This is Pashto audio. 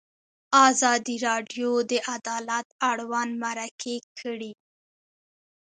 ازادي راډیو د عدالت اړوند مرکې کړي.